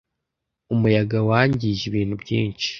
Umuyaga wangije ibintu byinshi.